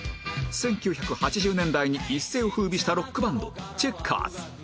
１９８０年代に一世を風靡したロックバンドチェッカーズ